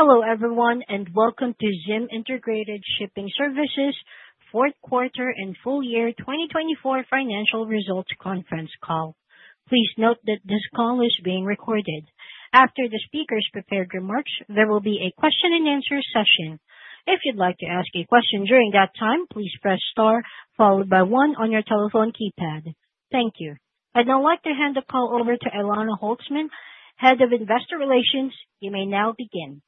Hello, everyone, and welcome to ZIM Integrated Shipping Services Q4 and full year 2024 financial results conference call. Please note that this call is being recorded. After the speakers' prepared remarks, there will be a question-and-answer session. If you'd like to ask a question during that time, please press star followed by one on your telephone keypad. Thank you. I'd now like to hand the call over to Elana Holzman, Head of Investor Relations. You may now begin.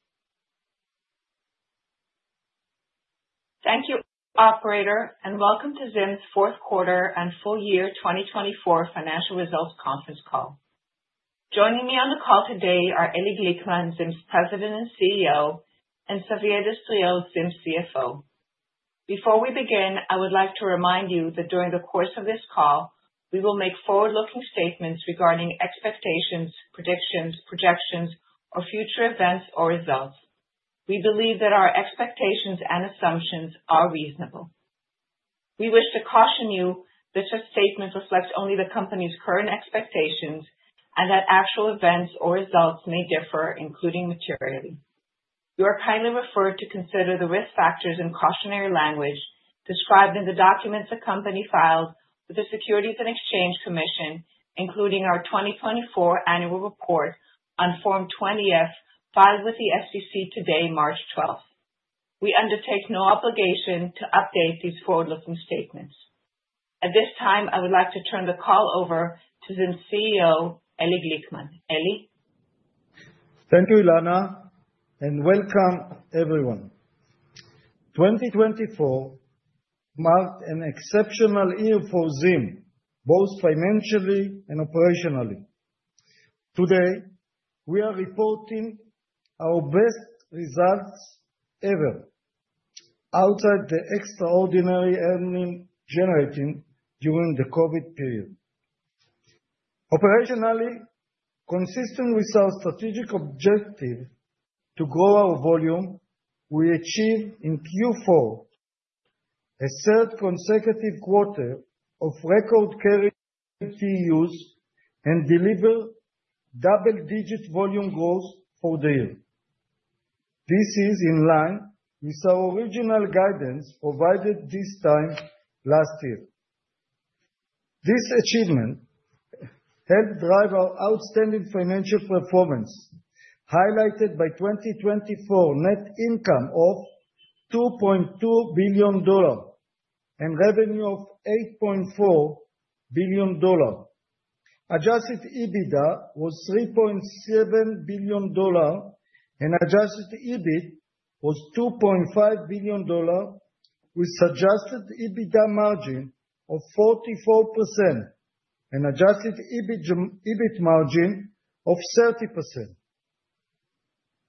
Thank you, Operator, and welcome to ZIM's Q4 and full year 2024 financial results conference call. Joining me on the call today are Eli Glickman, ZIM's President and CEO, and Xavier Destriau, ZIM's CFO. Before we begin, I would like to remind you that during the course of this call, we will make forward-looking statements regarding expectations, predictions, projections, or future events or results. We believe that our expectations and assumptions are reasonable. We wish to caution you that such statements reflect only the company's current expectations and that actual events or results may differ, including materially. You are kindly referred to consider the risk factors in cautionary language described in the documents the company filed with the Securities and Exchange Commission, including our 2024 annual report on Form 20-F filed with the SEC today, 12 March 2024. We undertake no obligation to update these forward-looking statements. At this time, I would like to turn the call over to ZIM's CEO, Eli Glickman. Eli. Thank you, Elana, and welcome, everyone. 2024 marked an exceptional year for ZIM, both financially and operationally. Today, we are reporting our best results ever outside the extraordinary earnings generated during the COVID period. Operationally, consistent with our strategic objective to grow our volume, we achieved in Q4 a third consecutive quarter of record-carrying TEUs and delivered double-digit volume growth for the year. This is in line with our original guidance provided this time last year. This achievement helped drive our outstanding financial performance, highlighted by 2024 net income of $2.2 billion and revenue of $8.4 billion. Adjusted EBITDA was $3.7 billion, and adjusted EBIT was $2.5 billion, with adjusted EBITDA margin of 44% and adjusted EBIT margin of 30%.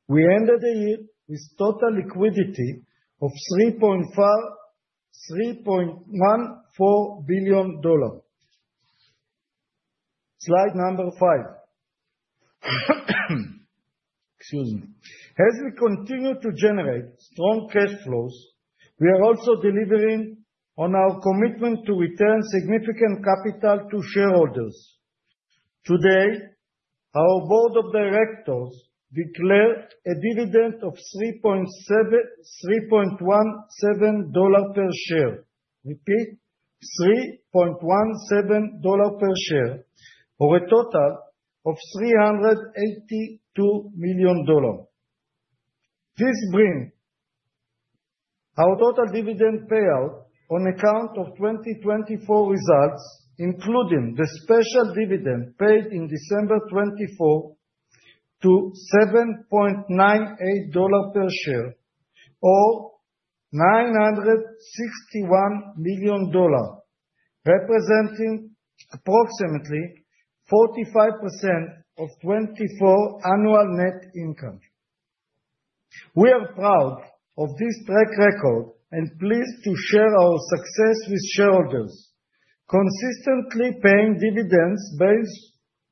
We ended the year with total liquidity of $3.14 billion. Slide number five. Excuse me. As we continue to generate strong cash flows, we are also delivering on our commitment to return significant capital to shareholders. Today, our Board of Directors declared a dividend of $3.17 per share. Repeat, $3.17 per share, or a total of $382 million. This brings our total dividend payout on account of 2024 results, including the special dividend paid in December 2024, to $7.98 per share, or $961 million, representing approximately 45% of 2024 annual net income. We are proud of this track record and pleased to share our success with shareholders, consistently paying dividends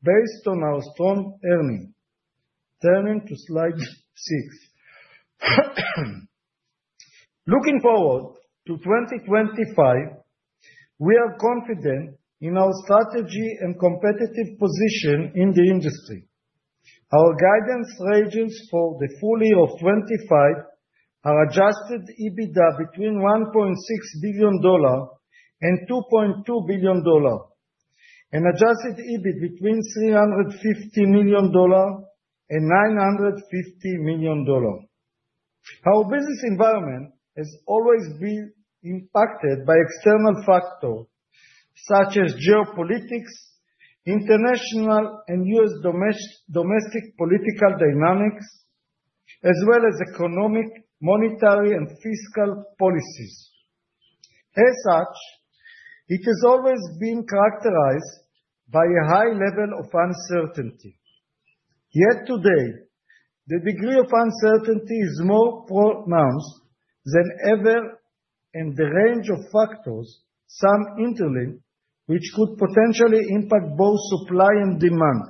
based on our strong earnings. Turning to slide six. Looking forward to 2025, we are confident in our strategy and competitive position in the industry. Our guidance ranges for the full year of 2025 are adjusted EBITDA between $1.6 billion and $2.2 billion, and adjusted EBIT between $350 million and $950 million. Our business environment has always been impacted by external factors such as geopolitics, international and US domestic political dynamics, as well as economic, monetary, and fiscal policies. As such, it has always been characterized by a high level of uncertainty. Yet today, the degree of uncertainty is more pronounced than ever, and the range of factors, some interlink, which could potentially impact both supply and demand,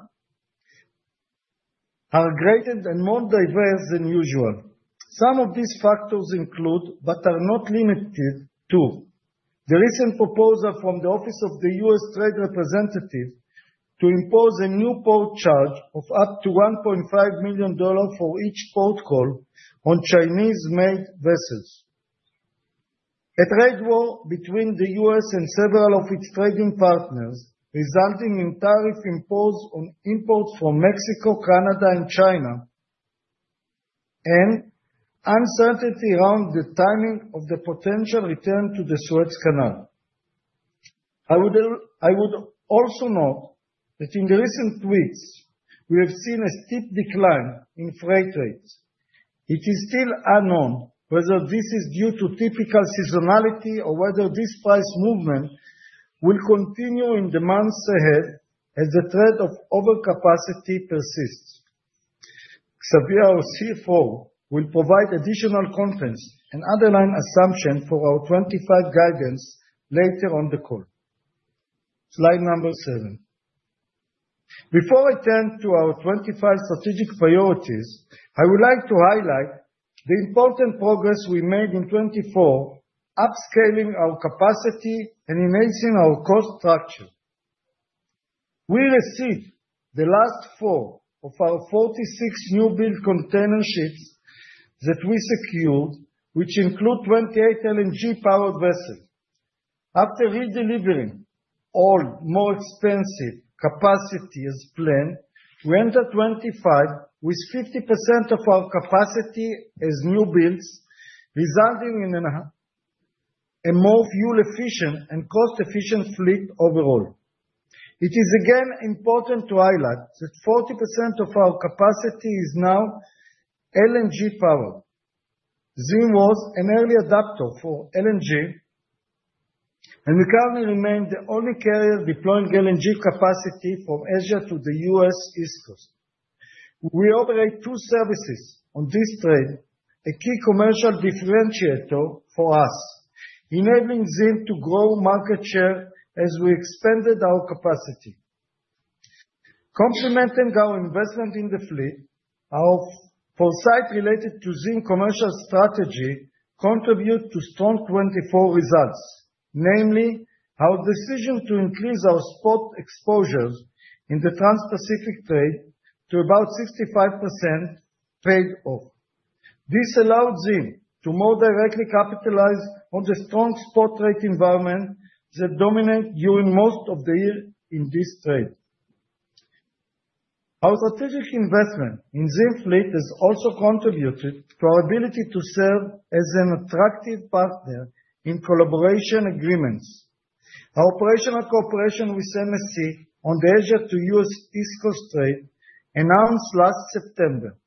are greater and more diverse than usual. Some of these factors include, but are not limited to, the recent proposal from the Office of the US Trade Representative to impose a new port charge of up to $1.5 million for each port call on Chinese-made vessels, a trade war between the US and several of its trading partners, resulting in tariff imposed on imports from Mexico, Canada, and China, and uncertainty around the timing of the potential return to the Suez Canal. I would also note that in the recent weeks, we have seen a steep decline in freight rates. It is still unknown whether this is due to typical seasonality or whether this price movement will continue in the months ahead as the threat of overcapacity persists. Xavier, our CFO, will provide additional content and underline assumptions for our 2025 guidance later on the call. Slide number seven. Before I turn to our 2025 strategic priorities, I would like to highlight the important progress we made in 2024, upscaling our capacity and enhancing our cost structure. We received the last four of our 46 new-build container ships that we secured, which include 28 LNG-powered vessels. After redelivering all more expensive capacity as planned, we entered 2025 with 50% of our capacity as new builds, resulting in a more fuel-efficient and cost-efficient fleet overall. It is again important to highlight that 40% of our capacity is now LNG-powered. ZIM was an early adopter for LNG, and we currently remain the only carrier deploying LNG capacity from Asia to the US East Coast. We operate two services on this trade, a key commercial differentiator for us, enabling ZIM to grow market share as we expanded our capacity. Complementing our investment in the fleet, our foresight related to ZIM's commercial strategy contributes to strong 2024 results, namely our decision to increase our spot exposures in the transpacific trade to about 65% trade-off. This allowed ZIM to more directly capitalize on the strong spot rate environment that dominated during most of the year in this trade. Our strategic investment in ZIM's fleet has also contributed to our ability to serve as an attractive partner in collaboration agreements. Our operational cooperation with MSC on the Asia to US East Coast trade announced last September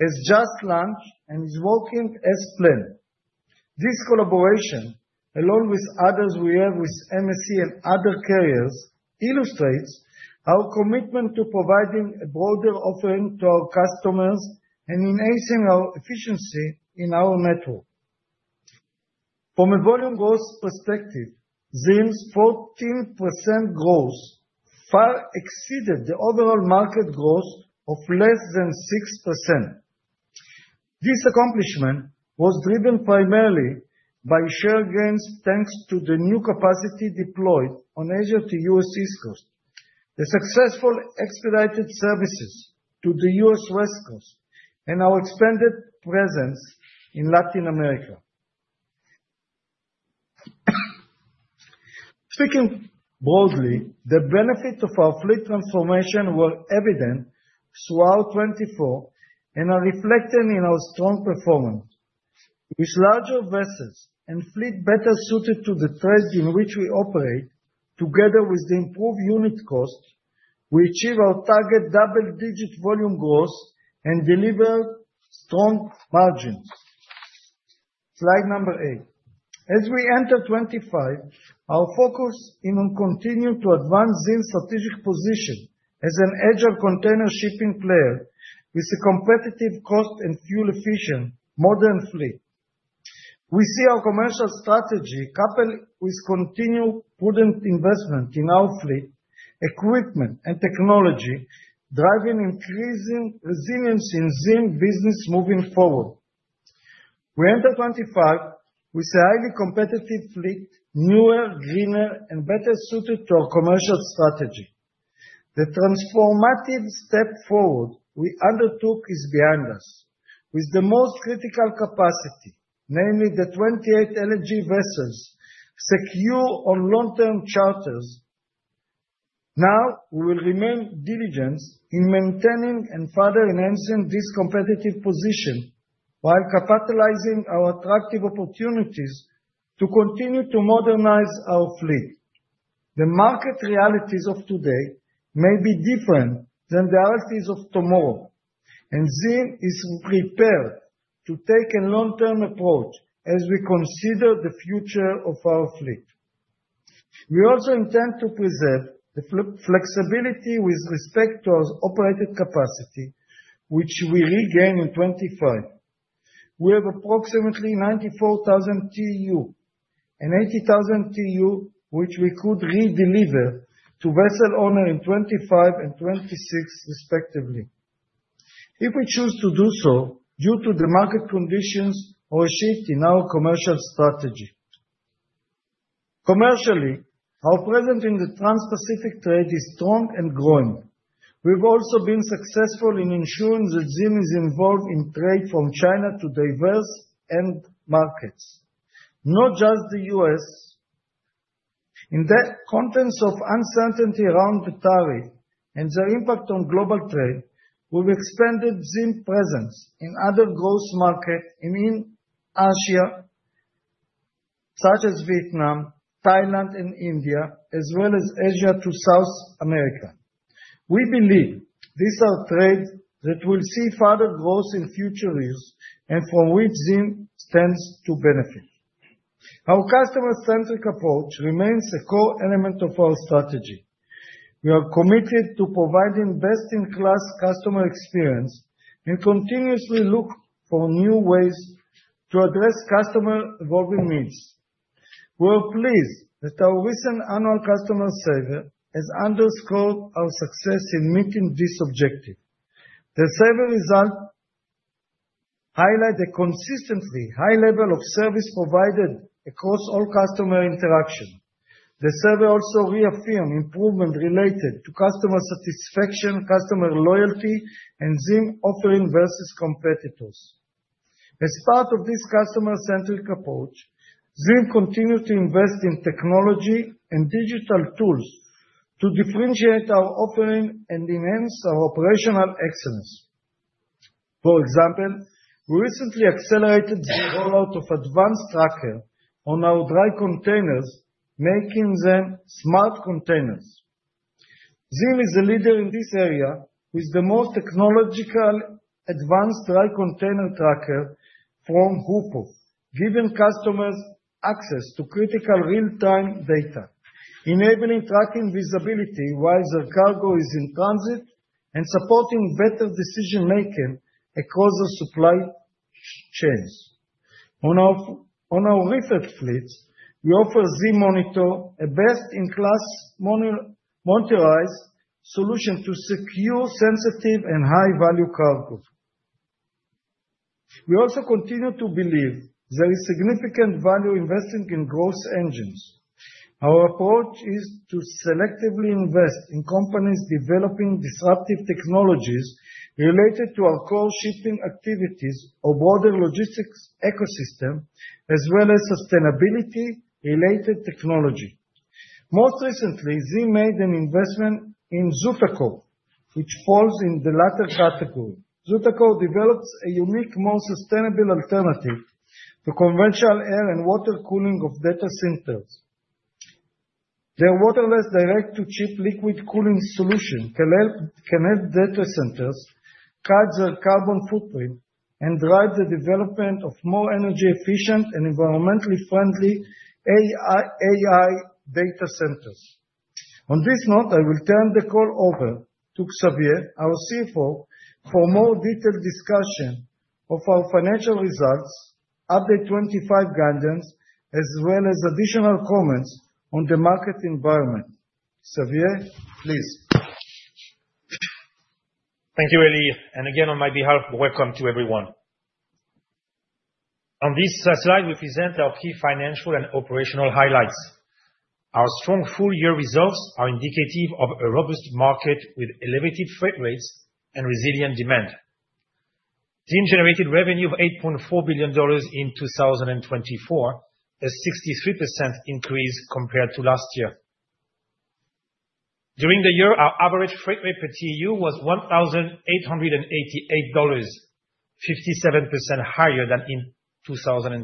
has just launched and is working as planned. This collaboration, along with others we have with MSC and other carriers, illustrates our commitment to providing a broader offering to our customers and enhancing our efficiency in our network. From a volume growth perspective, ZIM's 14% growth far exceeded the overall market growth of less than 6%. This accomplishment was driven primarily by share gains thanks to the new capacity deployed on Asia to US East Coast, the successful expedited services to the US West Coast, and our expanded presence in Latin America. Speaking broadly, the benefits of our fleet transformation were evident throughout 2024 and are reflected in our strong performance. With larger vessels and fleet better suited to the trade in which we operate, together with the improved unit cost, we achieve our target double-digit volume growth and deliver strong margins. Slide number eight. As we enter 2025, our focus continues to advance ZIM's strategic position as an agile container shipping player with a competitive cost and fuel-efficient modern fleet. We see our commercial strategy coupled with continued prudent investment in our fleet, equipment, and technology, driving increasing resilience in ZIM business moving forward. We enter 2025 with a highly competitive fleet, newer, greener, and better suited to our commercial strategy. The transformative step forward we undertook is behind us, with the most critical capacity, namely the 28 LNG vessels secured on long-term charters. Now, we will remain diligent in maintaining and further enhancing this competitive position while capitalizing our attractive opportunities to continue to modernize our fleet. The market realities of today may be different than the realities of tomorrow, and ZIM is prepared to take a long-term approach as we consider the future of our fleet. We also intend to preserve the flexibility with respect to our operated capacity, which we regain in 2025. We have approximately 94,000 TEU and 80,000 TEU, which we could redeliver to vessel owner in 2025 and 2026, respectively, if we choose to do so due to the market conditions or a shift in our commercial strategy. Commercially, our presence in the transpacific trade is strong and growing. We've also been successful in ensuring that ZIM is involved in trade from China to diverse end markets, not just the US In the context of uncertainty around the tariff and the impact on global trade, we've expanded ZIM's presence in other growth markets in Asia, such as Vietnam, Thailand, and India, as well as Asia to South America. We believe these are trades that will see further growth in future years and from which ZIM stands to benefit. Our customer-centric approach remains a core element of our strategy. We are committed to providing best-in-class customer experience and continuously look for new ways to address customer evolving needs. We are pleased that our recent annual customer survey has underscored our success in meeting this objective. The survey results highlight a consistently high level of service provided across all customer interactions. The survey also reaffirms improvements related to customer satisfaction, customer loyalty, and ZIM offering versus competitors. As part of this customer-centric approach, ZIM continues to invest in technology and digital tools to differentiate our offering and enhance our operational excellence. For example, we recently accelerated the rollout of advanced trackers on our dry containers, making them smart containers. ZIM is a leader in this area with the most technologically advanced dry container tracker from Hoopo, giving customers access to critical real-time data, enabling tracking visibility while their cargo is in transit and supporting better decision-making across the supply chains. On our reefer fleets, we offer ZIM Monitor, a best-in-class monitored solution to secure sensitive and high-value cargo. We also continue to believe there is significant value investing in growth engines. Our approach is to selectively invest in companies developing disruptive technologies related to our core shipping activities or broader logistics ecosystem, as well as sustainability-related technology. Most recently, ZIM made an investment in ZUTACORE, which falls in the latter category. ZUTACORE develops a unique, more sustainable alternative to conventional air and water cooling of data centers. Their waterless direct-to-chip liquid cooling solution can help data centers cut their carbon footprint and drive the development of more energy-efficient and environmentally friendly AI data centers. On this note, I will turn the call over to Xavier, our CFO, for more detailed discussion of our financial results, update 2025 guidance, as well as additional comments on the market environment. Xavier, please. Thank you, Eli. Again, on my behalf, welcome to everyone. On this slide, we present our key financial and operational highlights. Our strong full-year results are indicative of a robust market with elevated freight rates and resilient demand. ZIM generated revenue of $8.4 billion in 2024, a 63% increase compared to last year. During the year, our average freight rate per TEU was $1,888, 57% higher than in 2023,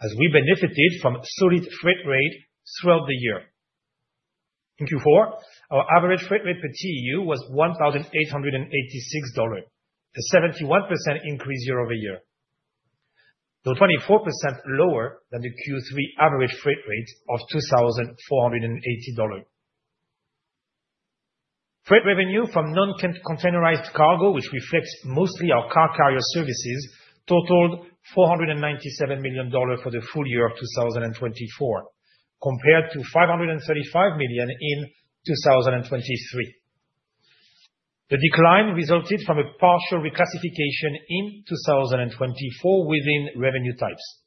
as we benefited from solid freight rate throughout the year. In Q4, our average freight rate per TEU was $1,886, a 71% increase year-over-year, though 24% lower than the Q3 average freight rate of $2,480. Freight revenue from non-containerized cargo, which reflects mostly our car carrier services, totaled $497 million for the full year of 2024, compared to $535 million in 2023. The decline resulted from a partial reclassification in 2024 within revenue types.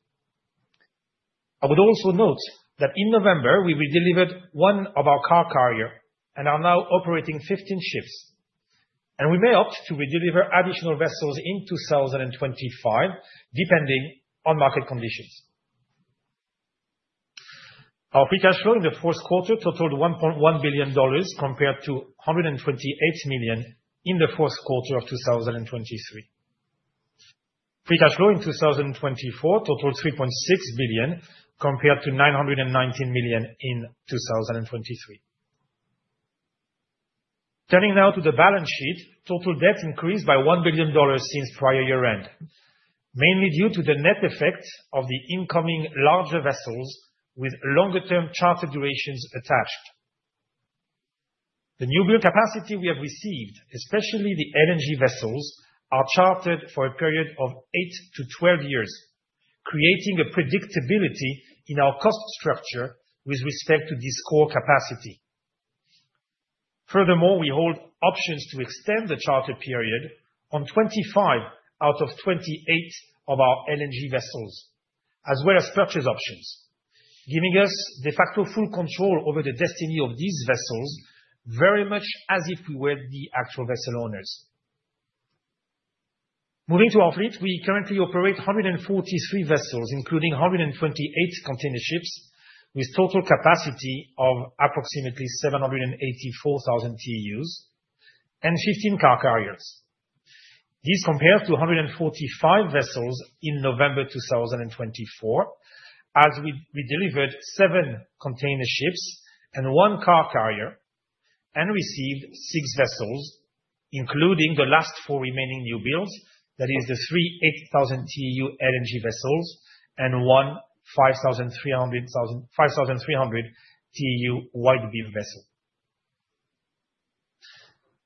I would also note that in November, we redelivered one of our car carriers and are now operating 15 ships. We may opt to redeliver additional vessels in 2025, depending on market conditions. Our free cash flow in the Q4 totaled $1.1 billion compared to $128 million in the Q4 of 2023. Free cash flow in 2024 totaled $3.6 billion compared to $919 million in 2023. Turning now to the balance sheet, total debt increased by $1 billion since prior year-end, mainly due to the net effect of the incoming larger vessels with longer-term charter durations attached. The new-build capacity we have received, especially the LNG vessels, are chartered for a period of 8 to 12 years, creating a predictability in our cost structure with respect to this core capacity. Furthermore, we hold options to extend the charter period on 25 out of 28 of our LNG vessels, as well as purchase options, giving us de facto full control over the destiny of these vessels, very much as if we were the actual vessel owners. Moving to our fleet, we currently operate 143 vessels, including 128 container ships, with total capacity of approximately 784,000 TEUs and 15 car carriers. This compares to 145 vessels in November 2024, as we delivered 7 container ships and 1 car carrier and received 6 vessels, including the last 4 remaining new builds, that is, the 3 8,000 TEU LNG vessels and 1 5,300 TEU wide beam vessel.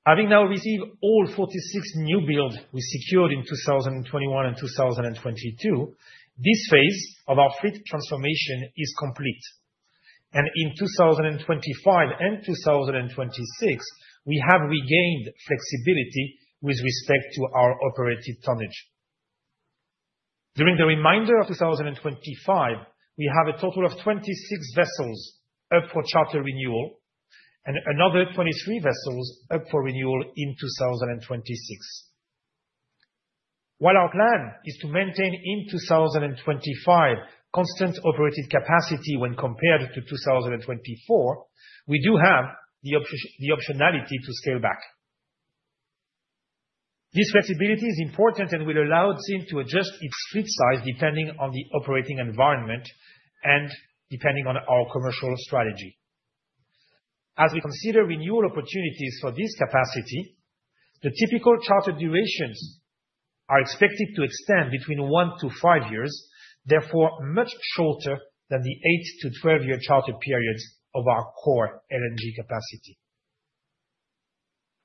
Having now received all 46 new builds we secured in 2021 and 2022, this phase of our fleet transformation is complete. In 2025 and 2026, we have regained flexibility with respect to our operated tonnage. During the remainder of 2025, we have a total of 26 vessels up for charter renewal and another 23 vessels up for renewal in 2026. While our plan is to maintain in 2025 constant operated capacity when compared to 2024, we do have the optionality to scale back. This flexibility is important and will allow ZIM to adjust its fleet size depending on the operating environment and depending on our commercial strategy. As we consider renewal opportunities for this capacity, the typical charter durations are expected to extend between 1-5 years, therefore much shorter than the 8-12 year charter periods of our core LNG capacity.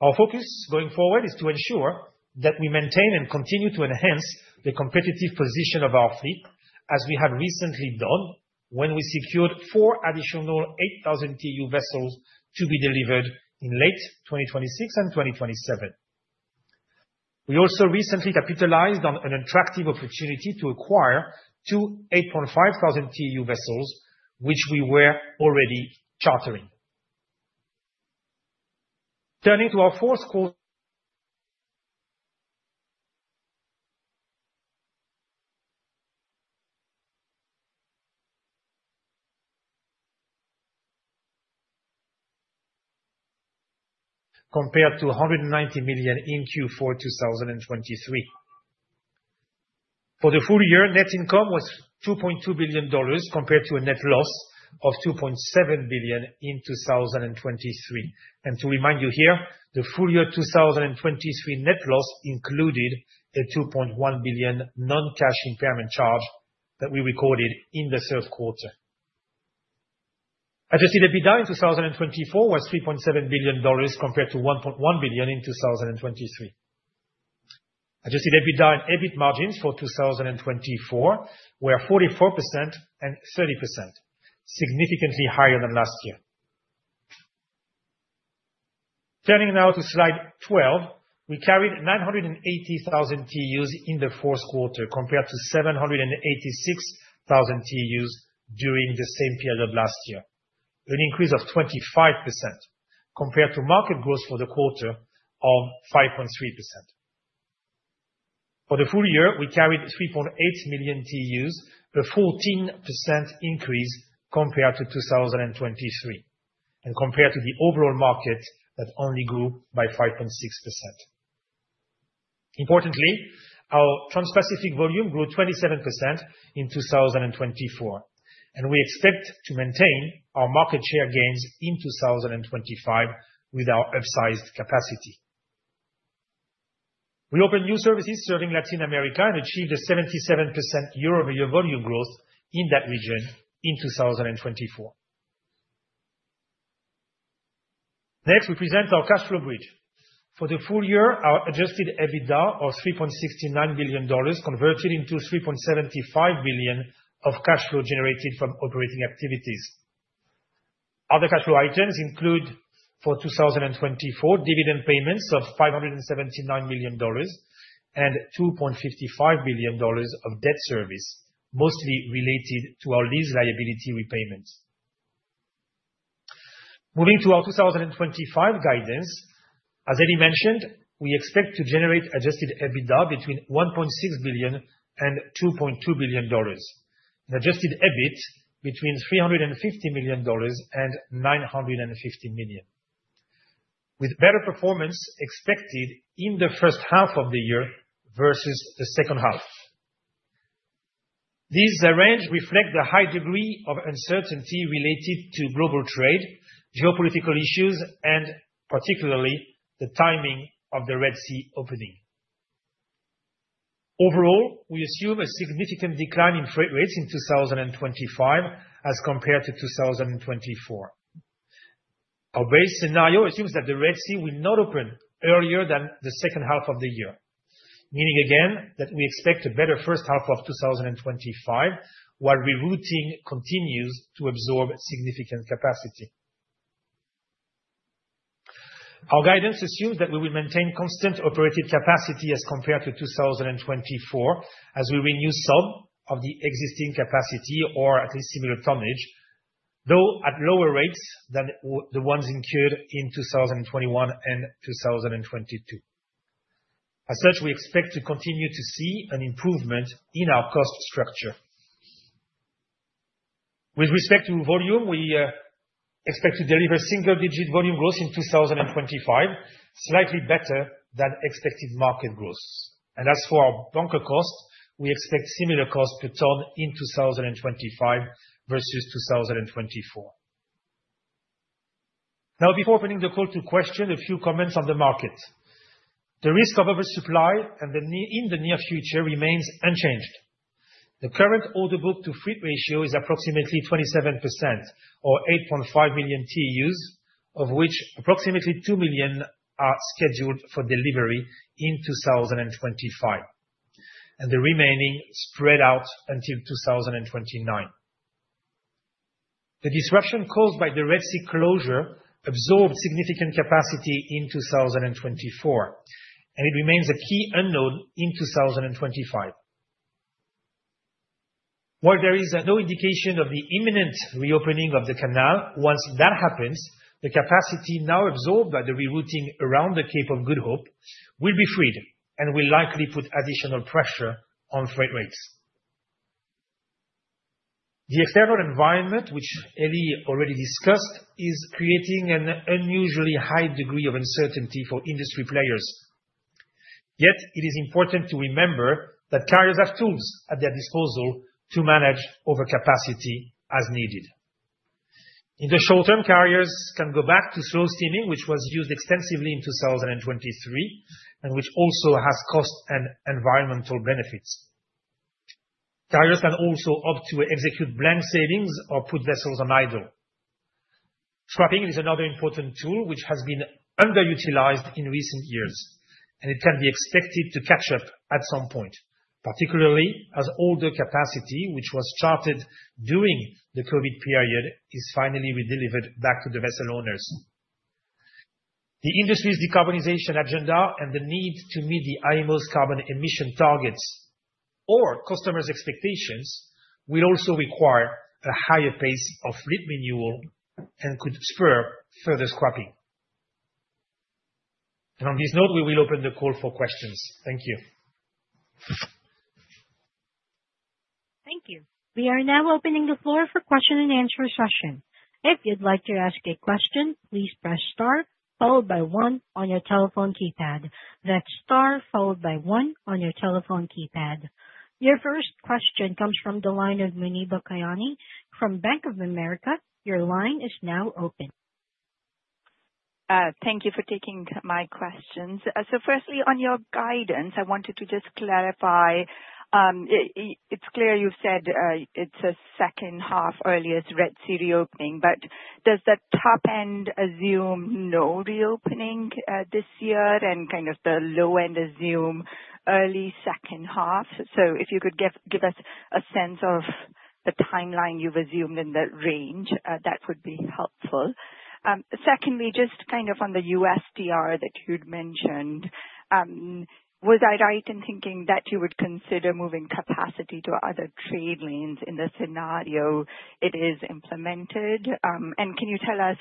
Our focus going forward is to ensure that we maintain and continue to enhance the competitive position of our fleet, as we have recently done when we secured four additional 8,000 TEU vessels to be delivered in late 2026 and 2027. We also recently capitalized on an attractive opportunity to acquire two 8.5 thousand TEU vessels, which we were already chartering. Turning to our Q4, compared to $190 million in Q4 2023. For the full year, net income was $2.2 billion compared to a net loss of $2.7 billion in 2023. To remind you here, the full year 2023 net loss included a $2.1 billion non-cash impairment charge that we recorded in the third quarter. Adjusted EBITDA in 2024 was $3.7 billion compared to $1.1 billion in 2023. Adjusted EBITDA and EBIT margins for 2024 were 44% and 30%, significantly higher than last year. Turning now to slide 12, we carried 980,000 TEUs in the Q4 compared to 786,000 TEUs during the same period last year, an increase of 25% compared to market growth for the quarter of 5.3%. For the full year, we carried 3.8 million TEUs, a 14% increase compared to 2023 and compared to the overall market that only grew by 5.6%. Importantly, our transpacific volume grew 27% in 2024, and we expect to maintain our market share gains in 2025 with our upsized capacity. We opened new services serving Latin America and achieved a 77% year-over-year volume growth in that region in 2024. Next, we present our cash flow bridge. For the full year, our adjusted EBITDA of $3.69 billion converted into $3.75 billion of cash flow generated from operating activities. Other cash flow items include for 2024 dividend payments of $579 million and $2.55 billion of debt service, mostly related to our lease liability repayments. Moving to our 2025 guidance, as Eli mentioned, we expect to generate adjusted EBITDA between $1.6 billion and $2.2 billion, and adjusted EBIT between $350 million and $950 million, with better performance expected in the first half of the year versus the second half. These range reflect the high degree of uncertainty related to global trade, geopolitical issues, and particularly the timing of the Red Sea opening. Overall, we assume a significant decline in freight rates in 2025 as compared to 2024. Our base scenario assumes that the Red Sea will not open earlier than the second half of the year, meaning again that we expect a better first half of 2025 while rerouting continues to absorb significant capacity. Our guidance assumes that we will maintain constant operated capacity as compared to 2024 as we renew some of the existing capacity or at least similar tonnage, though at lower rates than the ones incurred in 2021 and 2022. As such, we expect to continue to see an improvement in our cost structure. With respect to volume, we expect to deliver single-digit volume growth in 2025, slightly better than expected market growth. As for our bunker cost, we expect similar cost per tonne in 2025 versus 2024. Now, before opening the call to question, a few comments on the market. The risk of oversupply in the near future remains unchanged. The current order book to fleet ratio is approximately 27% or 8.5 million TEUs, of which approximately 2 million are scheduled for delivery in 2025, and the remaining spread out until 2029. The disruption caused by the Red Sea closure absorbed significant capacity in 2024, and it remains a key unknown in 2025. While there is no indication of the imminent reopening of the canal, once that happens, the capacity now absorbed by the rerouting around the Cape of Good Hope will be freed and will likely put additional pressure on freight rates. The external environment, which Eli already discussed, is creating an unusually high degree of uncertainty for industry players. Yet, it is important to remember that carriers have tools at their disposal to manage overcapacity as needed. In the short term, carriers can go back to slow steaming, which was used extensively in 2023 and which also has cost and environmental benefits. Carriers can also opt to execute blank sailings or put vessels on idle. Scrapping is another important tool which has been underutilized in recent years, and it can be expected to catch up at some point, particularly as older capacity, which was chartered during the COVID period, is finally redelivered back to the vessel owners. The industry's decarbonization agenda and the need to meet the IMO's carbon emission targets or customers' expectations will also require a higher pace of fleet renewal and could spur further scrapping. On this note, we will open the call for questions. Thank you. Thank you. We are now opening the floor for question and answer session. If you'd like to ask a question, please press star followed by one on your telephone keypad. That's star followed by one on your telephone keypad. Your first question comes from the line of Muneeba Kayani from Bank of America. Your line is now open. Thank you for taking my questions. Firstly, on your guidance, I wanted to just clarify. It's clear you've said it's a second half, earliest Red Sea reopening, but does the top end assume no reopening this year and kind of the low end assume early second half? If you could give us a sense of the timeline you've assumed in that range, that would be helpful. Secondly, just kind of on the USTR that you'd mentioned, was I right in thinking that you would consider moving capacity to other trade lanes in the scenario it is implemented? And can you tell us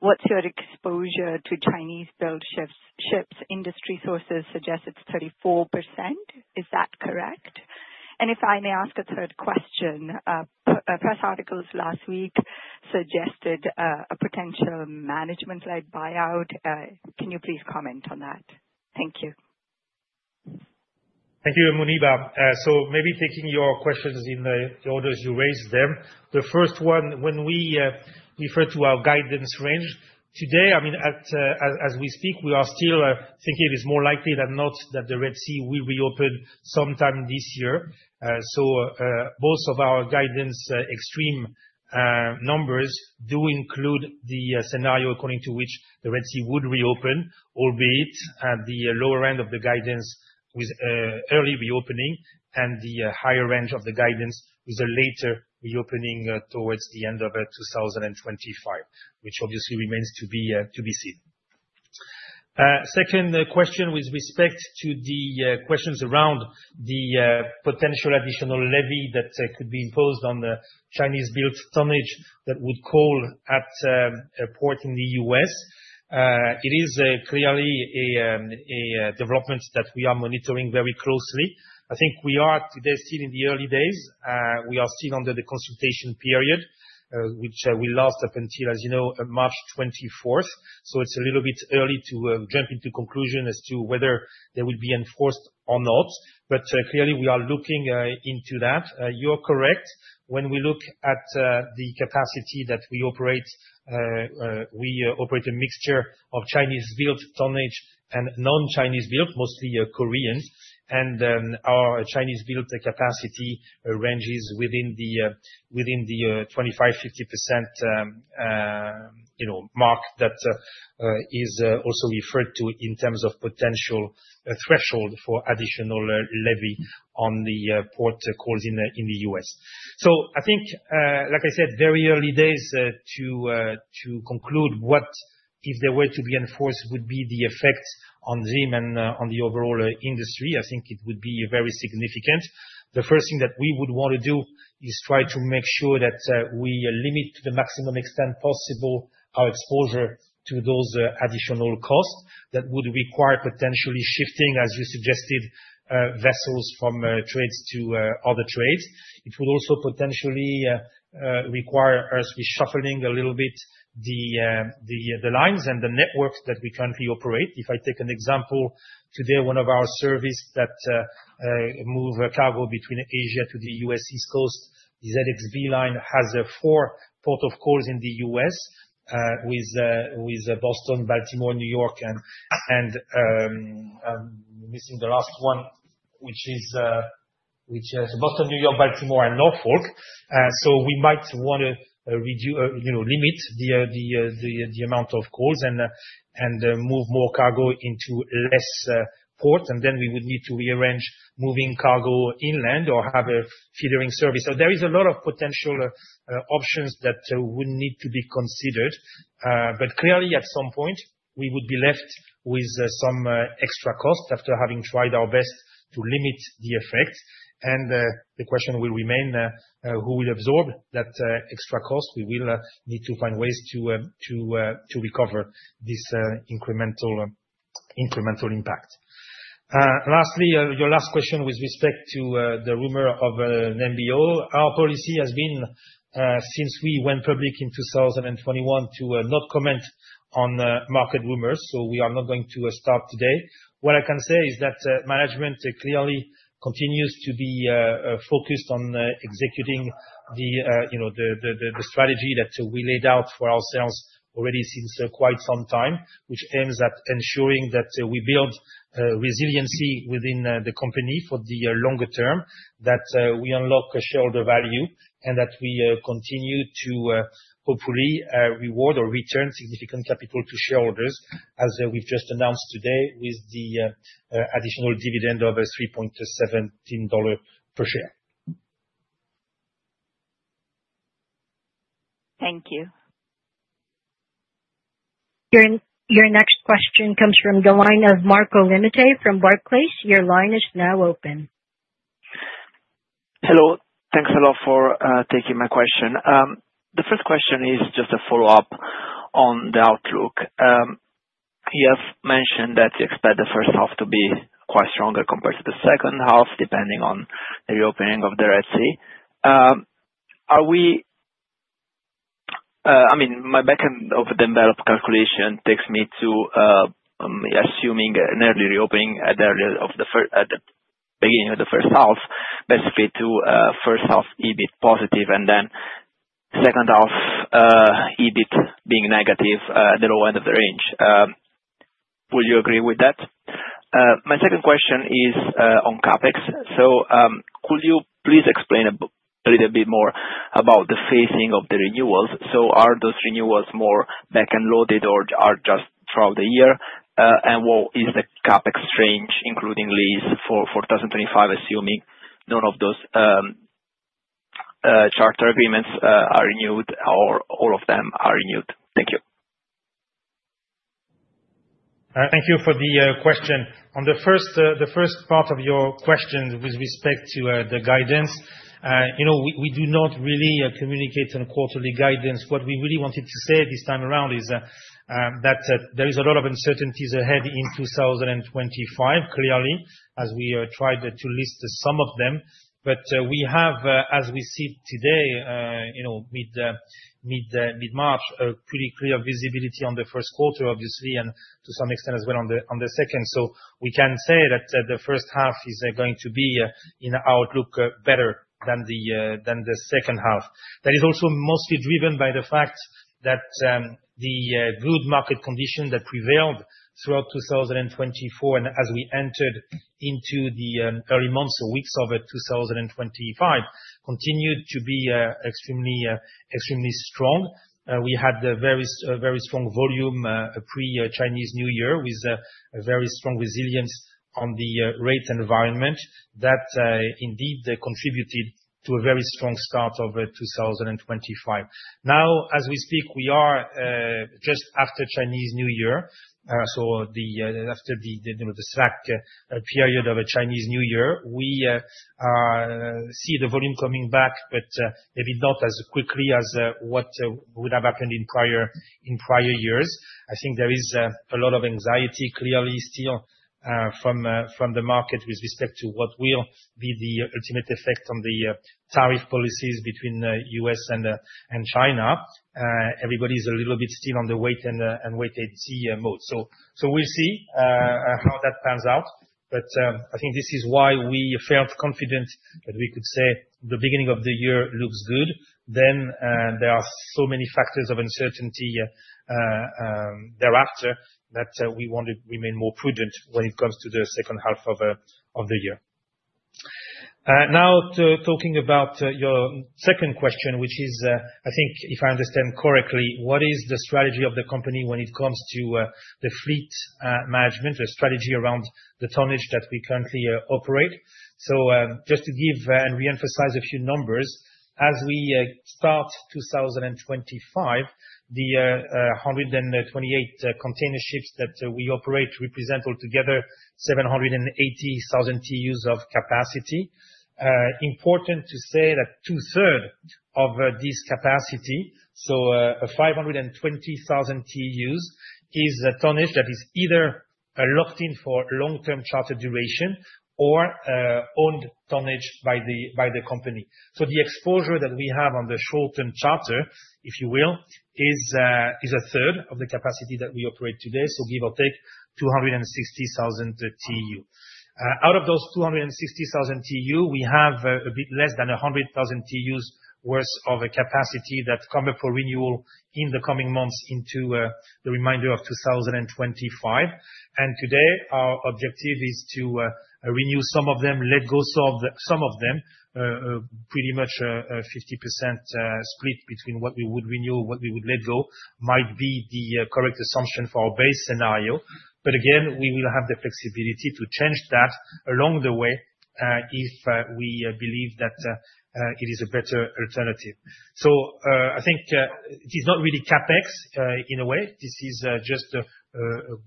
what's your exposure to Chinese-built ships? Industry sources suggest it's 34%. Is that correct? And if I may ask a third question, press articles last week suggested a potential management-led buyout. Can you please comment on that? Thank you. Thank you, Muneeba. Maybe taking your questions in the orders you raised them. The first one, when we refer to our guidance range today, I mean, as we speak, we are still thinking it is more likely than not that the Red Sea will reopen sometime this year. Both of our guidance extreme numbers do include the scenario according to which the Red Sea would reopen, albeit at the lower end of the guidance with early reopening and the higher range of the guidance with a later reopening towards the end of 2025, which obviously remains to be seen. Second question with respect to the questions around the potential additional levy that could be imposed on the Chinese-built tonnage that would call at a port in the US, it is clearly a development that we are monitoring very closely. I think we are today still in the early days. We are still under the consultation period, which will last up until, as you know, March 24th. It is a little bit early to jump into conclusion as to whether there will be enforced or not. Clearly, we are looking into that. You're correct. When we look at the capacity that we operate, we operate a mixture of Chinese-built tonnage and non-Chinese-built, mostly Koreans. Our Chinese-built capacity ranges within the 25% to 50% mark that is also referred to in terms of potential threshold for additional levy on the port calls in the US I think, like I said, very early days to conclude what, if there were to be enforced, would be the effect on ZIM and on the overall industry, I think it would be very significant. The first thing that we would want to do is try to make sure that we limit to the maximum extent possible our exposure to those additional costs that would require potentially shifting, as you suggested, vessels from trades to other trades. It would also potentially require us reshuffling a little bit the lines and the networks that we currently operate. If I take an example, today, one of our services that move cargo between Asia to the US East Coast, the ZXB line, has four port of calls in the US with Boston, Baltimore, New York, and missing the last one, which is Boston, New York, Baltimore, and Norfolk. We might want to limit the amount of calls and move more cargo into less ports. We would need to rearrange moving cargo inland or have a feedering service. There is a lot of potential options that would need to be considered. Clearly, at some point, we would be left with some extra cost after having tried our best to limit the effect. The question will remain who will absorb that extra cost. We will need to find ways to recover this incremental impact. Lastly, your last question with respect to the rumor of an MBO. Our policy has been, since we went public in 2021, to not comment on market rumors. We are not going to start today. What I can say is that management clearly continues to be focused on executing the strategy that we laid out for ourselves already since quite some time, which aims at ensuring that we build resiliency within the company for the longer term, that we unlock shareholder value, and that we continue to hopefully reward or return significant capital to shareholders, as we've just announced today with the additional dividend of $3.17 per share. Thank you. Your next question comes from the line of Marco Limite from Barclays. Your line is now open. Hello. Thanks a lot for taking my question. The first question is just a follow-up on the outlook. You have mentioned that you expect the first half to be quite stronger compared to the second half, depending on the reopening of the Red Sea. I mean, my backend of the envelope calculation takes me to assuming an early reopening at the beginning of the first half, basically to first half EBIT positive and then second half EBIT being negative at the low end of the range. Would you agree with that? My second question is on CapEx. Could you please explain a little bit more about the phasing of the renewals? Are those renewals more back-end loaded or just throughout the year? What is the CapEx range, including lease for 2025, assuming none of those charter agreements are renewed or all of them are renewed? Thank you. Thank you for the question. On the first part of your question with respect to the guidance, we do not really communicate on quarterly guidance. What we really wanted to say this time around is that there is a lot of uncertainties ahead in 2025, clearly, as we tried to list some of them. We have, as we see today, mid-March, pretty clear visibility on the first quarter, obviously, and to some extent as well on the second. We can say that the first half is going to be, in our look, better than the second half. That is also mostly driven by the fact that the good market condition that prevailed throughout 2024 and as we entered into the early months or weeks of 2025 continued to be extremely strong. We had very strong volume pre-Chinese New Year with very strong resilience on the rates environment that indeed contributed to a very strong start of 2025. Now, as we speak, we are just after Chinese New Year. After the slack period of a Chinese New Year, we see the volume coming back, but maybe not as quickly as what would have happened in prior years. I think there is a lot of anxiety, clearly, still from the market with respect to what will be the ultimate effect on the tariff policies between the US and China. Everybody's a little bit still on the wait-and-see mode. We will see how that pans out. I think this is why we felt confident that we could say the beginning of the year looks good. There are so many factors of uncertainty thereafter that we want to remain more prudent when it comes to the second half of the year. Now, talking about your second question, which is, I think, if I understand correctly, what is the strategy of the company when it comes to the fleet management, the strategy around the tonnage that we currently operate? Just to give and re-emphasize a few numbers, as we start 2025, the 128 container ships that we operate represent altogether 780,000 TEUs of capacity. Important to say that two-thirds of this capacity, so 520,000 TEUs, is tonnage that is either locked in for long-term charter duration or owned tonnage by the company. The exposure that we have on the short-term charter, if you will, is a third of the capacity that we operate today, so give or take 260,000 TEU. Out of those 260,000 TEU, we have a bit less than 100,000 TEUs worth of capacity that come up for renewal in the coming months into the remainder of 2025. Today, our objective is to renew some of them, let go of some of them, pretty much a 50% split between what we would renew, what we would let go might be the correct assumption for our base scenario. Again, we will have the flexibility to change that along the way if we believe that it is a better alternative. I think it is not really CapEx in a way. This is just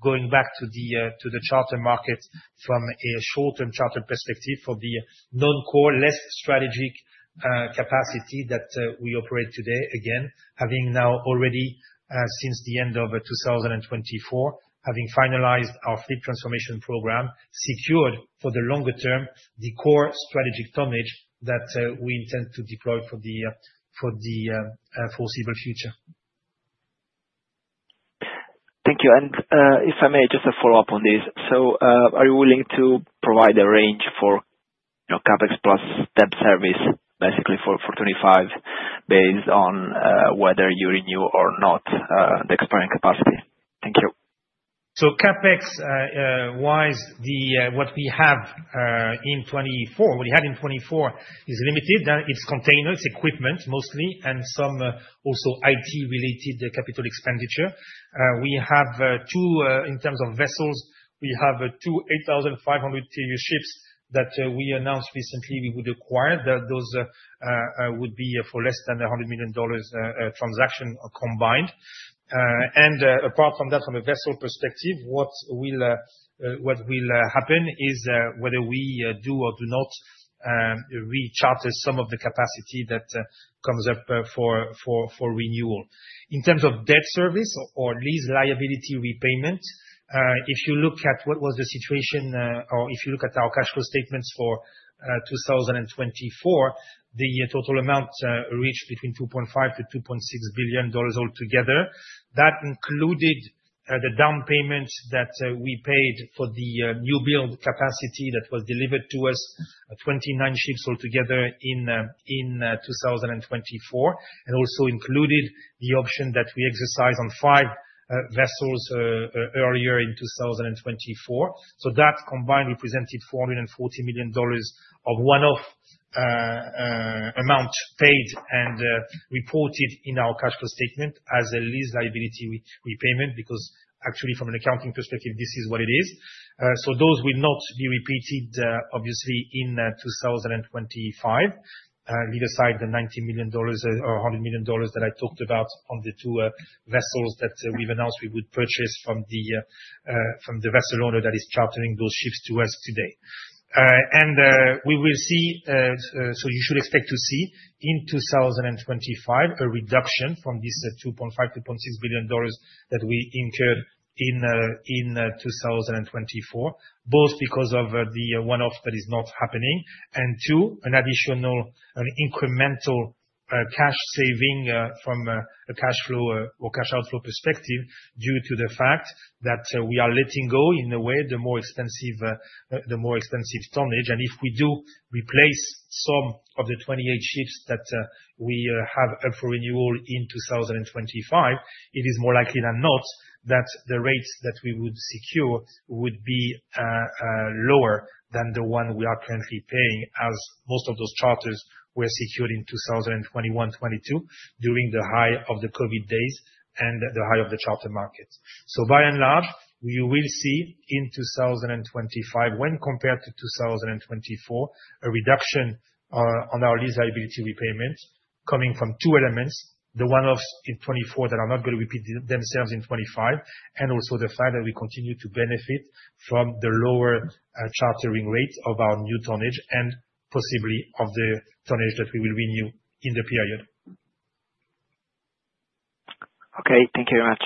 going back to the charter market from a short-term charter perspective for the non-core, less strategic capacity that we operate today. Again, having now already, since the end of 2024, having finalized our fleet transformation program, secured for the longer term the core strategic tonnage that we intend to deploy for the foreseeable future. Thank you. If I may, just a follow-up on this. Are you willing to provide a range for CapEx plus debt service, basically for 2025, based on whether you renew or not the expiring capacity? Thank you. CapEx-wise, what we have in 2024, what we had in 2024 is limited. It is containers, equipment mostly, and some also IT-related capital expenditure. We have, in terms of vessels, two 8,500 TEU ships that we announced recently we would acquire. Those would be for less than $100 million transaction combined. Apart from that, from a vessel perspective, what will happen is whether we do or do not recharter some of the capacity that comes up for renewal. In terms of debt service or lease liability repayment, if you look at what was the situation, or if you look at our cash flow statements for 2024, the total amount reached between $2.5 to 2.6 billion altogether. That included the down payment that we paid for the new build capacity that was delivered to us, 29 ships altogether in 2024, and also included the option that we exercised on five vessels earlier in 2024. That combined represented $440 million of one-off amount paid and reported in our cash flow statement as a lease liability repayment because, actually, from an accounting perspective, this is what it is. Those will not be repeated, obviously, in 2025, leave aside the $90 million or $100 million that I talked about on the two vessels that we have announced we would purchase from the vessel owner that is chartering those ships to us today. You should expect to see in 2025 a reduction from this $2.5 to 2.6 billion that we incurred in 2024, both because of the one-off that is not happening and, two, an additional incremental cash saving from a cash flow or cash outflow perspective due to the fact that we are letting go, in a way, the more expensive tonnage. If we do replace some of the 28 ships that we have up for renewal in 2025, it is more likely than not that the rates that we would secure would be lower than the one we are currently paying, as most of those charters were secured in 2021, 2022, during the high of the COVID days and the high of the charter market. By and large, we will see in 2025, when compared to 2024, a reduction on our lease liability repayment coming from two elements: the one-offs in 2024 that are not going to repeat themselves in 2025, and also the fact that we continue to benefit from the lower chartering rate of our new tonnage and possibly of the tonnage that we will renew in the period. Okay. Thank you very much.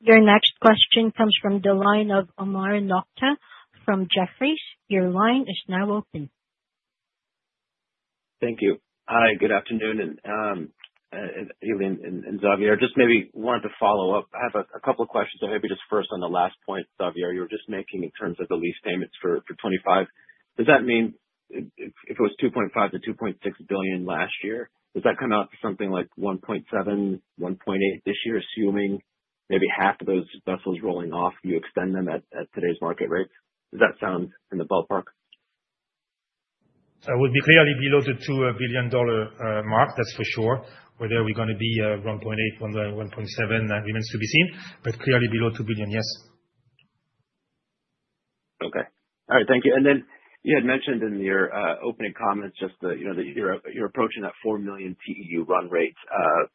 Your next question comes from the line of Omar Nokta from Jefferies. Your line is now open. Thank you. Hi, good afternoon, Eli and Xavier. Just maybe wanted to follow up. I have a couple of questions. Maybe just first on the last point, Xavier, you were just making in terms of the lease payments for 2025. Does that mean if it was $2.5 to 2.6 billion last year, does that come out to something like $1.7 billion, $1.8 billion this year, assuming maybe half of those vessels rolling off, you extend them at today's market rate? Does that sound in the ballpark? It would be clearly below the $2 billion mark, that's for sure. Whether we're going to be $1.8 billion, $1.7 billion remains to be seen, but clearly below $2 billion, yes. Okay. All right. Thank you. You had mentioned in your opening comments just that you're approaching that 4 million TEU run rate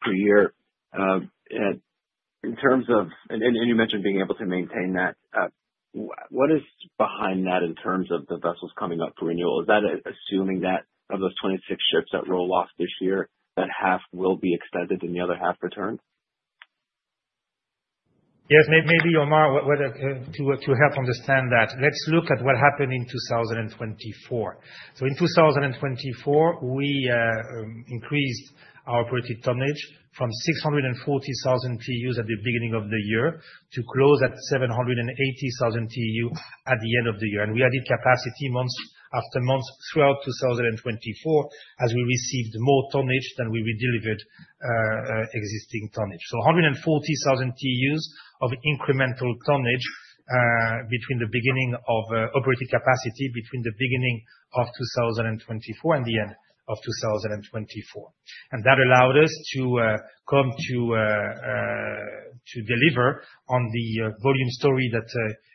per year. In terms of, and you mentioned being able to maintain that, what is behind that in terms of the vessels coming up for renewal? Is that assuming that of those 26 ships that roll off this year, that half will be extended and the other half returned? Yes, maybe, Omar, to help understand that. Let's look at what happened in 2024. In 2024, we increased our operated tonnage from 640,000 TEUs at the beginning of the year to close at 780,000 TEU at the end of the year. We added capacity month after month throughout 2024 as we received more tonnage than we delivered existing tonnage. So 140,000 TEUs of incremental tonnage between the beginning of operating capacity between the beginning of 2024 and the end of 2024. That allowed us to come to deliver on the volume story that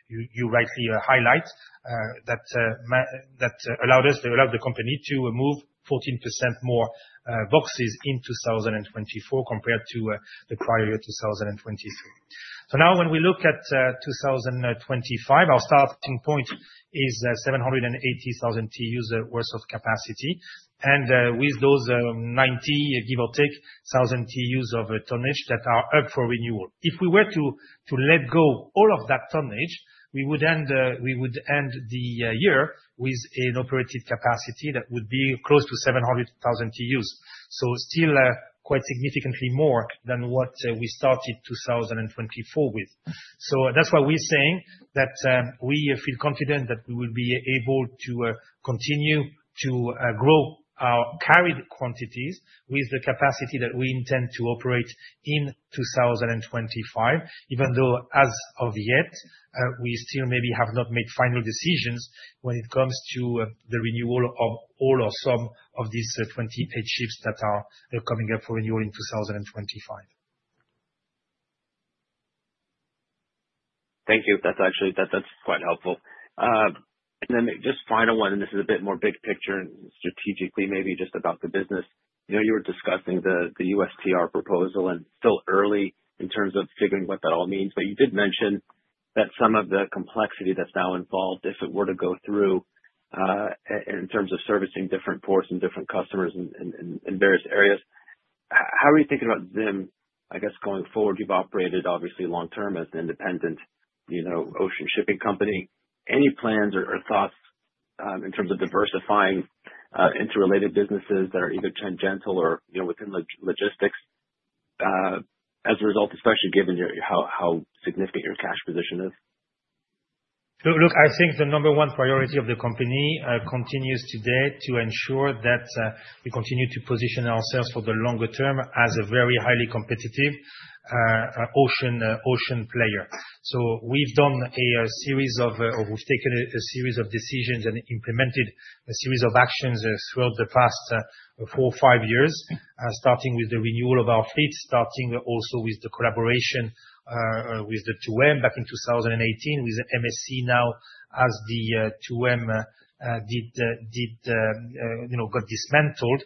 you rightly highlight, that allowed the company to move 14% more boxes in 2024 compared to the prior year 2023. Now, when we look at 2025, our starting point is 780,000 TEUs worth of capacity. With those 90, give or take, 1,000 TEUs of tonnage that are up for renewal, if we were to let go all of that tonnage, we would end the year with an operated capacity that would be close to 700,000 TEUs. Still quite significantly more than what we started 2024 with. That is why we are saying that we feel confident that we will be able to continue to grow our carried quantities with the capacity that we intend to operate in 2025, even though, as of yet, we still maybe have not made final decisions when it comes to the renewal of all or some of these 28 ships that are coming up for renewal in 2025. Thank you. That is actually quite helpful. Just a final one, and this is a bit more big picture and strategically maybe just about the business. You were discussing the USTR proposal and it is still early in terms of figuring what that all means. You did mention that some of the complexity that is now involved, if it were to go through in terms of servicing different ports and different customers in various areas. How are you thinking about them, I guess, going forward? You've operated, obviously, long-term as an independent ocean shipping company. Any plans or thoughts in terms of diversifying into related businesses that are either tangential or within logistics as a result, especially given how significant your cash position is? Look, I think the number one priority of the company continues today to ensure that we continue to position ourselves for the longer term as a very highly competitive ocean player. We've taken a series of decisions and implemented a series of actions throughout the past four or five years, starting with the renewal of our fleet, starting also with the collaboration with the 2M back in 2018 with MSC now as the 2M got dismantled.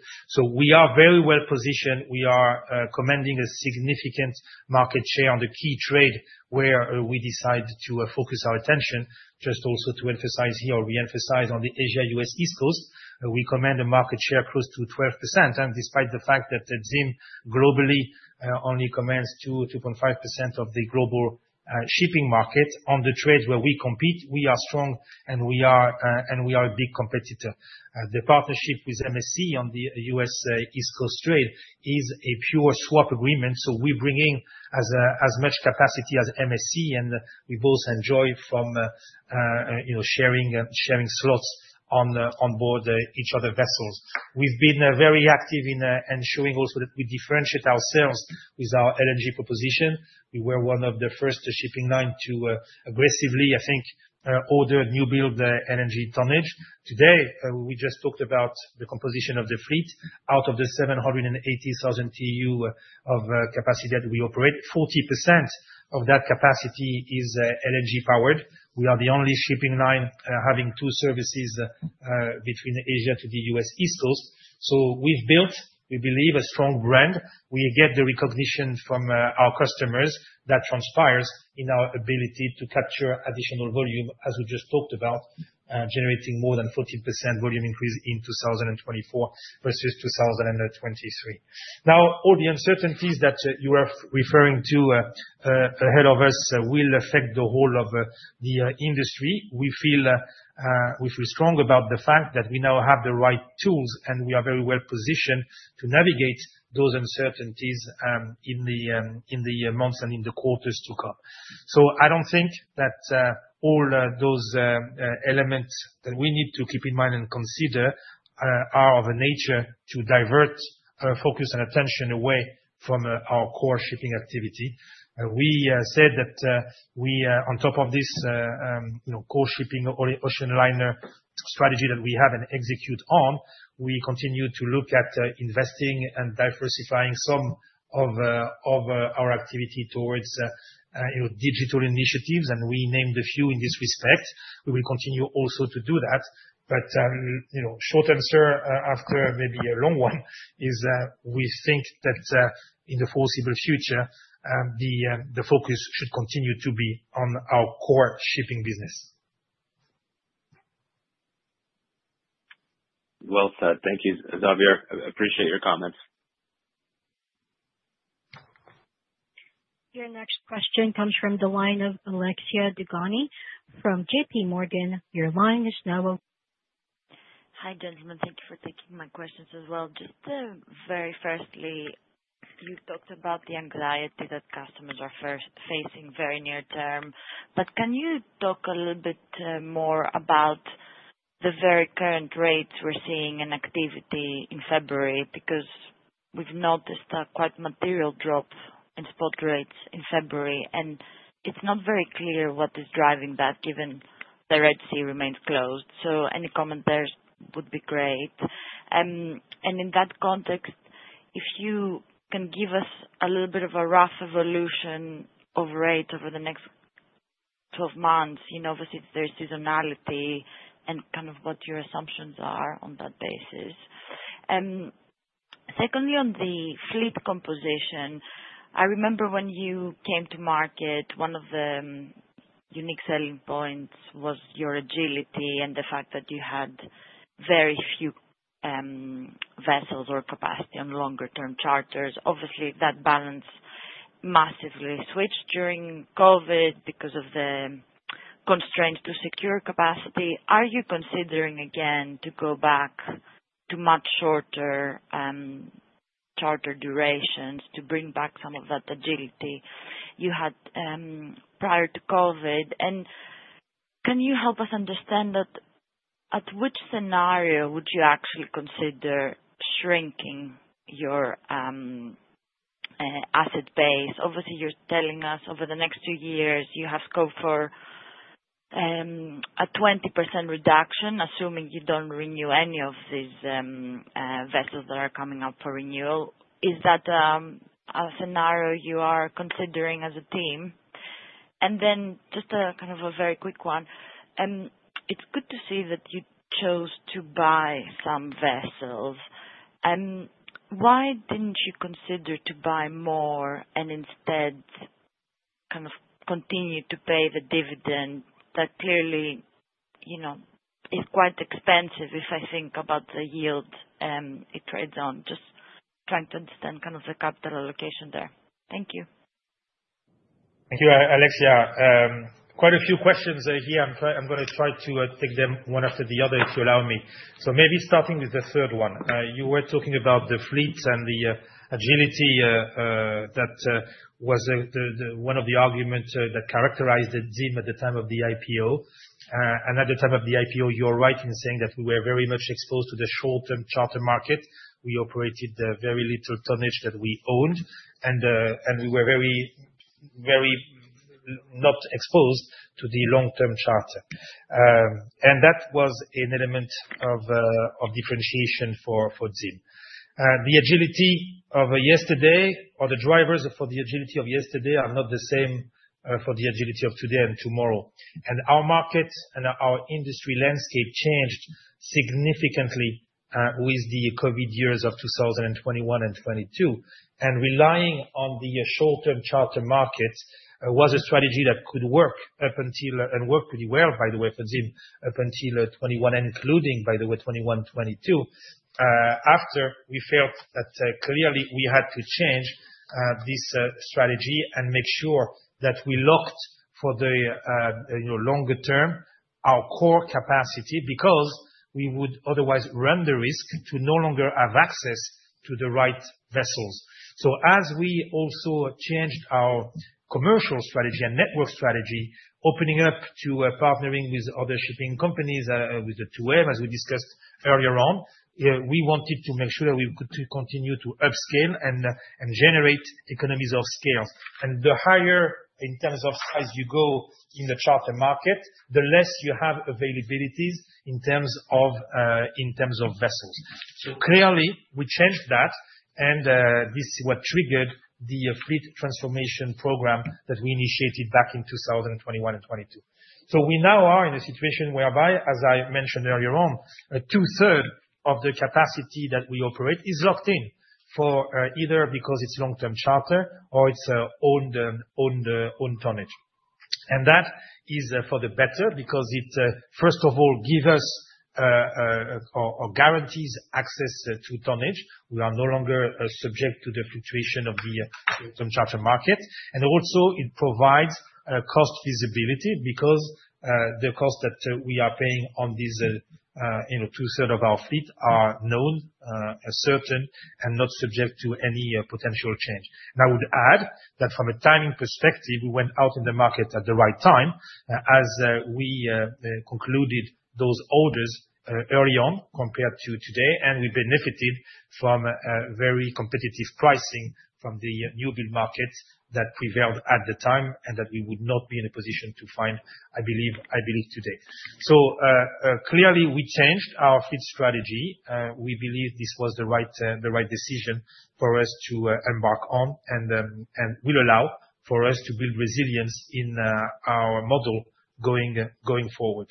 We are very well positioned. We are commanding a significant market share on the key trade where we decide to focus our attention. Just also to emphasize here or re-emphasize on the Asia-US East Coast, we command a market share close to 12%. Despite the fact that ZIM globally only commands 2.5% of the global shipping market, on the trades where we compete, we are strong and we are a big competitor. The partnership with MSC on the US East Coast trade is a pure swap agreement. We are bringing as much capacity as MSC, and we both enjoy from sharing slots on board each other vessels. We have been very active in ensuring also that we differentiate ourselves with our LNG proposition. We were one of the first shipping lines to aggressively, I think, order new build LNG tonnage. Today, we just talked about the composition of the fleet. Out of the 780,000 TEU of capacity that we operate, 40% of that capacity is LNG powered. We are the only shipping line having two services between Asia to the US East Coast. We have built, we believe, a strong brand. We get the recognition from our customers that transpires in our ability to capture additional volume, as we just talked about, generating more than 40% volume increase in 2024 versus 2023. Now, all the uncertainties that you are referring to ahead of us will affect the whole of the industry. We feel strong about the fact that we now have the right tools, and we are very well positioned to navigate those uncertainties in the months and in the quarters to come. I do not think that all those elements that we need to keep in mind and consider are of a nature to divert our focus and attention away from our core shipping activity. We said that we, on top of this core shipping ocean liner strategy that we have and execute on, we continue to look at investing and diversifying some of our activity towards digital initiatives, and we named a few in this respect. We will continue also to do that. The short answer after maybe a long one is we think that in the foreseeable future, the focus should continue to be on our core shipping business. Thank you, Xavier. Appreciate your comments. Your next question comes from the line of of Alexia Dogani from JPMorgan. Your line is now. Hi, gentlemen. Thank you for taking my questions as well. Just very firstly, you talked about the anxiety that customers are facing very near term. Can you talk a little bit more about the very current rates we're seeing in activity in February? Because we've noticed quite material drops in spot rates in February, and it's not very clear what is driving that given the Red Sea remains closed. Any comment there would be great. In that context, if you can give us a little bit of a rough evolution of rates over the next 12 months, obviously, there's seasonality and kind of what your assumptions are on that basis. Secondly, on the fleet composition, I remember when you came to market, one of the unique selling points was your agility and the fact that you had very few vessels or capacity on longer-term charters. Obviously, that balance massively switched during COVID because of the constraints to secure capacity. Are you considering, again, to go back to much shorter charter durations to bring back some of that agility you had prior to COVID? Can you help us understand at which scenario would you actually consider shrinking your asset base? Obviously, you're telling us over the next two years you have scope for a 20% reduction, assuming you do not renew any of these vessels that are coming up for renewal. Is that a scenario you are considering as a team? Just kind of a very quick one. It's good to see that you chose to buy some vessels. Why did you not consider to buy more and instead kind of continue to pay the dividend that clearly is quite expensive if I think about the yield it trades on? Just trying to understand kind of the capital allocation there. Thank you. Thank you, Alexia. Quite a few questions here. I am going to try to take them one after the other if you allow me. Maybe starting with the third one. You were talking about the fleets and the agility that was one of the arguments that characterized ZIM at the time of the IPO. At the time of the IPO, you were right in saying that we were very much exposed to the short-term charter market. We operated very little tonnage that we owned, and we were very not exposed to the long-term charter. That was an element of differentiation for ZIM. The agility of yesterday or the drivers for the agility of yesterday are not the same for the agility of today and tomorrow. Our market and our industry landscape changed significantly with the COVID years of 2021 and 2022. Relying on the short-term charter markets was a strategy that could work up until and worked pretty well, by the way, for ZIM up until 2021, including, by the way, 2021, 2022. After we felt that clearly we had to change this strategy and make sure that we locked for the longer term our core capacity because we would otherwise run the risk to no longer have access to the right vessels. As we also changed our commercial strategy and network strategy, opening up to partnering with other shipping companies, with the 2M, as we discussed earlier on, we wanted to make sure that we could continue to upscale and generate economies of scale. The higher in terms of size you go in the charter market, the less you have availabilities in terms of vessels. Clearly, we changed that, and this is what triggered the fleet transformation program that we initiated back in 2021 and 2022. We now are in a situation whereby, as I mentioned earlier on, two-thirds of the capacity that we operate is locked in for either because it's long-term charter or it's owned tonnage. That is for the better because it, first of all, gives us or guarantees access to tonnage. We are no longer subject to the fluctuation of the short-term charter market. It also provides cost visibility because the cost that we are paying on these two-thirds of our fleet are known, certain, and not subject to any potential change. I would add that from a timing perspective, we went out in the market at the right time as we concluded those orders early on compared to today, and we benefited from very competitive pricing from the new build market that prevailed at the time and that we would not be in a position to find, I believe, today. Clearly, we changed our fleet strategy. We believe this was the right decision for us to embark on and will allow for us to build resilience in our model going forward.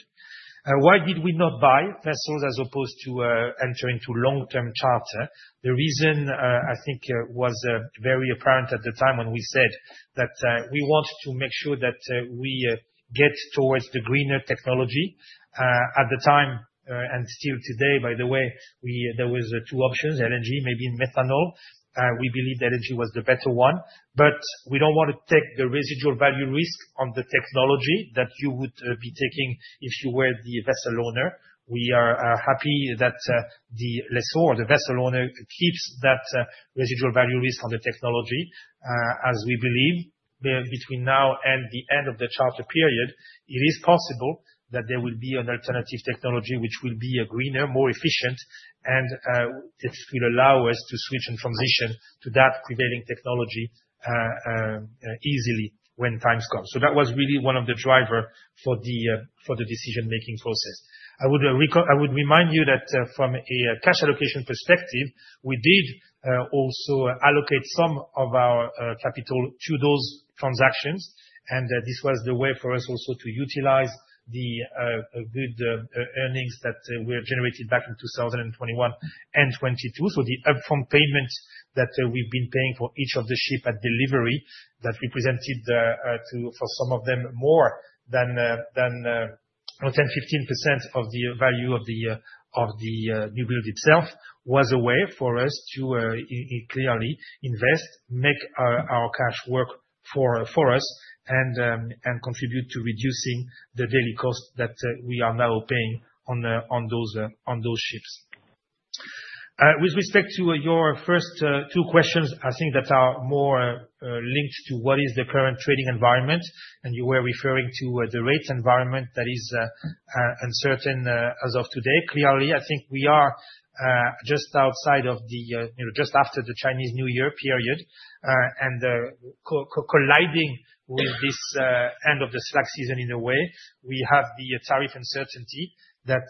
Why did we not buy vessels as opposed to entering into long-term charter? The reason, I think, was very apparent at the time when we said that we want to make sure that we get towards the greener technology. At the time and still today, by the way, there were two options: LNG, maybe methanol. We believe that LNG was the better one. We do not want to take the residual value risk on the technology that you would be taking if you were the vessel owner. We are happy that the lessor or the vessel owner keeps that residual value risk on the technology. As we believe, between now and the end of the charter period, it is possible that there will be an alternative technology which will be greener, more efficient, and it will allow us to switch and transition to that prevailing technology easily when times come. That was really one of the drivers for the decision-making process. I would remind you that from a cash allocation perspective, we did also allocate some of our capital to those transactions. This was the way for us also to utilize the good earnings that were generated back in 2021 and 2022. The upfront payment that we've been paying for each of the ship at delivery that represented for some of them more than 10-15% of the value of the new build itself was a way for us to clearly invest, make our cash work for us, and contribute to reducing the daily cost that we are now paying on those ships. With respect to your first two questions, I think that are more linked to what is the current trading environment, and you were referring to the rates environment that is uncertain as of today. Clearly, I think we are just outside of the just after the Chinese New Year period and colliding with this end of the Slack season in a way. We have the tariff uncertainty that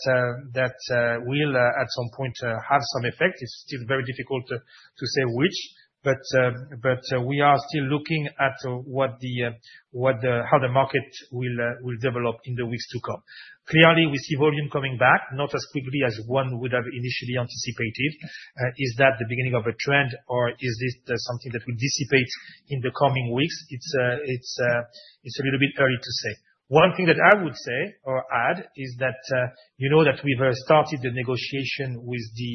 will at some point have some effect. It's still very difficult to say which, but we are still looking at how the market will develop in the weeks to come. Clearly, we see volume coming back, not as quickly as one would have initially anticipated. Is that the beginning of a trend, or is this something that will dissipate in the coming weeks? It's a little bit early to say. One thing that I would say or add is that we've started the negotiation with the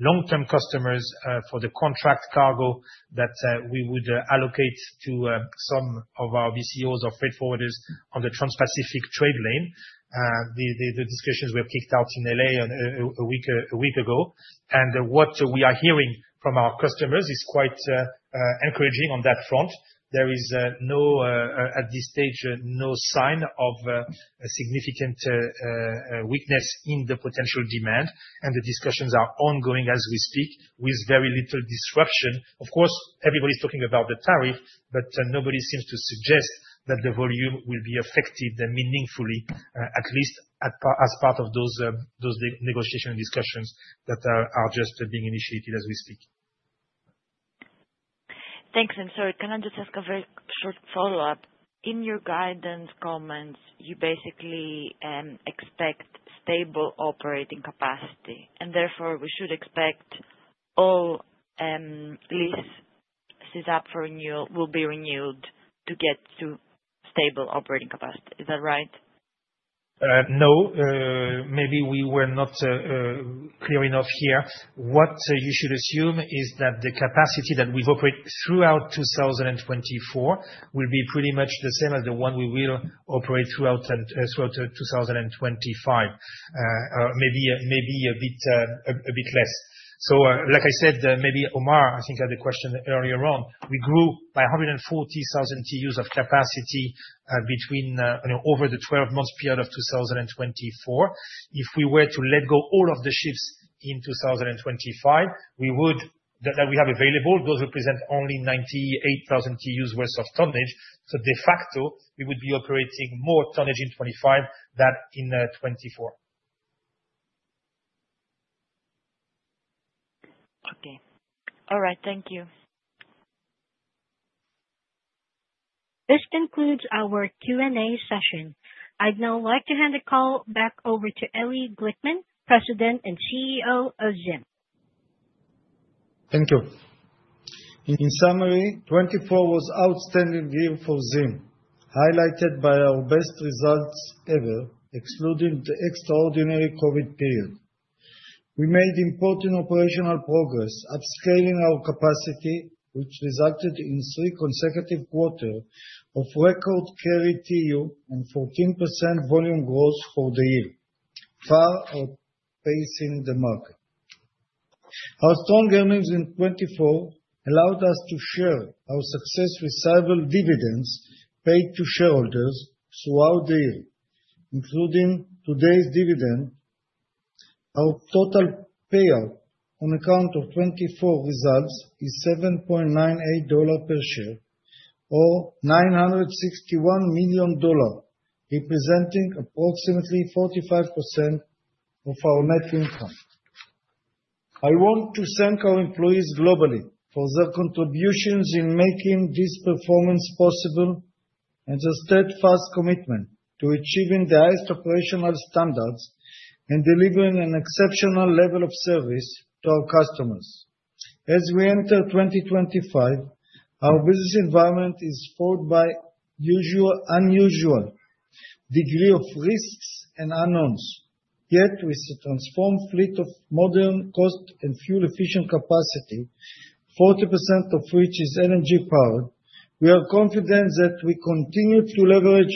long-term customers for the contract cargo that we would allocate to some of our BCOs or freight forwarders on the Trans-Pacific trade lane. The discussions were kicked out in LA a week ago. What we are hearing from our customers is quite encouraging on that front. There is, at this stage, no sign of significant weakness in the potential demand. The discussions are ongoing as we speak with very little disruption. Of course, everybody's talking about the tariff, but nobody seems to suggest that the volume will be affected meaningfully, at least as part of those negotiation discussions that are just being initiated as we speak. Thanks. Sorry, can I just ask a very short follow-up? In your guidance comments, you basically expect stable operating capacity. Therefore, we should expect all leases up for renewal will be renewed to get to stable operating capacity. Is that right? No. Maybe we were not clear enough here. What you should assume is that the capacity that we've operated throughout 2024 will be pretty much the same as the one we will operate throughout 2025, maybe a bit less. Like I said, maybe Omar, I think, had a question earlier on. We grew by 140,000 TEUs of capacity over the 12-month period of 2024. If we were to let go all of the ships in 2025, we would that we have available, those represent only 98,000 TEUs worth of tonnage. So de facto, we would be operating more tonnage in 2025 than in 2024. Okay. All right. Thank you. This concludes our Q&A session. I'd now like to hand the call back over to Eli Glickman, President and CEO of ZIM. Thank you. In summary, 2024 was outstanding year for ZIM, highlighted by our best results ever, excluding the extraordinary COVID period. We made important operational progress, upscaling our capacity, which resulted in three consecutive quarters of record carry TEU and 14% volume growth for the year, far outpacing the market. Our strong earnings in 2024 allowed us to share our success with several dividends paid to shareholders throughout the year, including today's dividend. Our total payout on account of 2024 results is $7.98 per share, or $961 million, representing approximately 45% of our net income. I want to thank our employees globally for their contributions in making this performance possible and their steadfast commitment to achieving the highest operational standards and delivering an exceptional level of service to our customers. As we enter 2025, our business environment is formed by unusual degrees of risks and unknowns. Yet, with the transformed fleet of modern cost and fuel-efficient capacity, 40% of which is LNG-powered, we are confident that we continue to leverage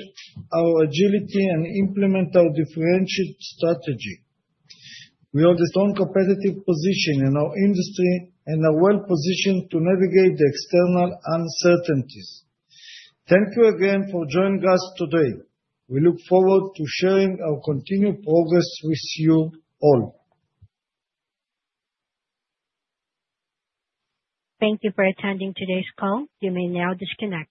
our agility and implement our differentiated strategy. We hold a strong competitive position in our industry and are well-positioned to navigate the external uncertainties. Thank you again for joining us today. We look forward to sharing our continued progress with you all. Thank you for attending today's call. You may now disconnect.